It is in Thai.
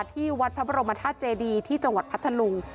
ที่วัดพระบรมธาตุเจดีที่จังหวัดพัทธลุง